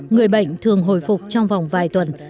người bệnh thường hồi phục trong vòng vài tuần